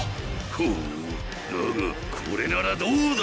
ほうだがこれならどうだ？